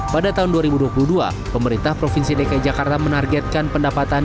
pada tahun dua ribu dua puluh dua pemerintah provinsi dki jakarta menargetkan pendapatan